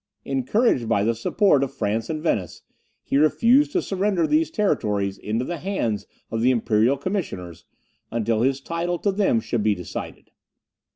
Encouraged by the support of France and Venice, he refused to surrender these territories into the hands of the imperial commissioners, until his title to them should be decided.